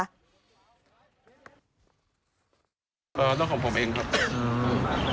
นั่นของผมเองครับ